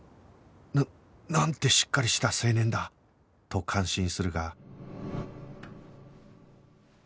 ななんてしっかりした青年だ！と感心するが